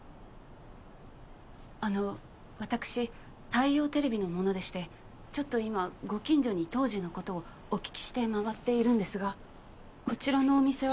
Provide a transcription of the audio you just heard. あの私大洋テレビの者でしてちょっと今ご近所に当時のことをお聞きして回っているんですがこちらのお店は。